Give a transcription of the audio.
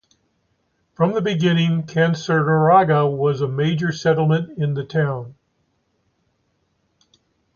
From the beginning Canaseraga was the major settlement in the town.